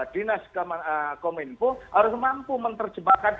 dinas kominfo harus mampu menerjemahkan